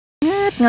aku mau berjalan